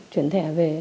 chuyển thẻ về